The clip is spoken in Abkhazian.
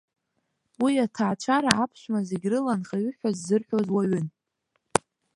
Уи аҭаацәара аԥшәма, зегьрыла анхаҩы ҳәа ззырҳәоз уаҩын.